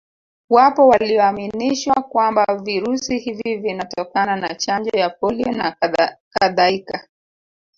Wapo walioaminishwa kwamba virusi hivi vinatokana na Chanjo ya polio na Kadhaika